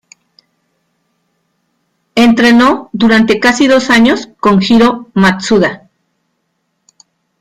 Entrenó durante casi dos años con Hiro Matsuda.